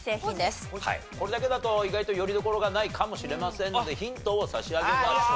これだけだと意外とよりどころがないかもしれませんのでヒントを差し上げましょう。